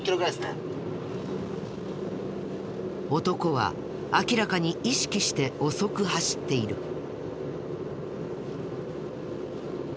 男は明らかに意識して遅く走っている。